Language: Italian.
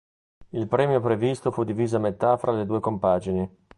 Il premio previsto fu diviso a metà fra le due compagini.